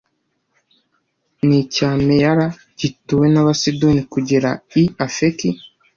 n'icya meyara gituwe n'abasidoni kugera i afeki